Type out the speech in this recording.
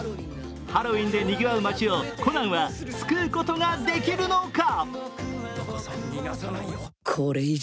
ハロウィーンでにぎわう街をコナンは救うことができるのか。